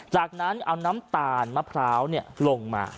จากนั้นเอาน้ำตาลมะพร้าวลงมา